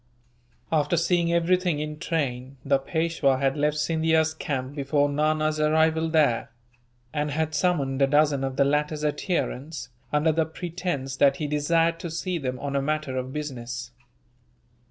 After seeing everything in train, the Peishwa had left Scindia's camp before Nana's arrival there; and had summoned a dozen of the latter's adherents, under the pretence that he desired to see them on a matter of business.